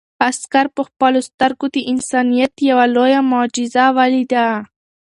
عسکر په خپلو سترګو د انسانیت یو لویه معجزه ولیده.